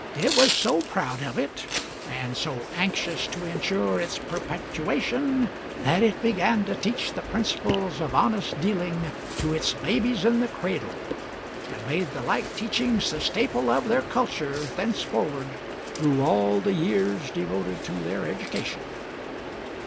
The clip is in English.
It was so proud of it, and so anxious to insure its perpetuation, that it began to teach the principles of honest dealing to its babies in the cradle, and made the like teachings the staple of their culture thenceforward through all the years devoted to their education.